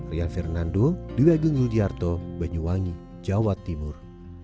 rian fernando di bagung ludiarto banyuwangi jawa timur